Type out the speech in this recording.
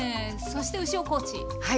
そして牛尾コーチ。